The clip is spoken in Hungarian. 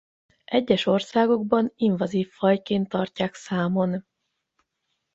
Egyes országokban invazív fajként tartják számon.